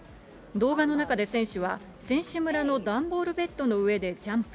動画の中で選手は、選手村の段ボールベッドの上でジャンプ。